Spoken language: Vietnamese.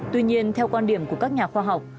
tuy nhiên theo quan điểm của các nhà khoa học